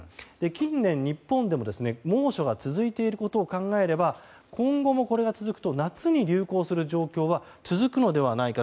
近年、日本でも猛暑が続いていることを考えれば今後もこれが続くと夏に流行する状況が続くのではないか。